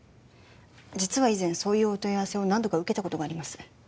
実は以前そういうお問い合わせを何度か受けたことがあります